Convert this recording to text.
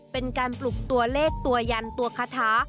เป็นการปลุกตัวเลขตัวยันตัวคาถา